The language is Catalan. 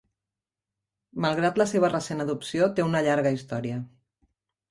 Malgrat la seva recent adopció, té una llarga història.